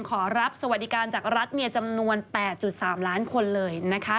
ขอรับสวัสดิการจากรัฐเมียจำนวน๘๓ล้านคนเลยนะคะ